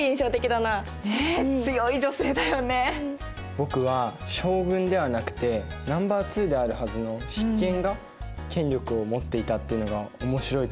僕は将軍ではなくてナンバーツーであるはずの執権が権力を持っていたっていうのが面白いと思った。